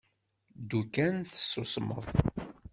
Ddu kan tessusmeḍ.